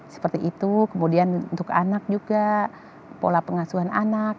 seperti itu kemudian untuk anak juga pola pengasuhan anak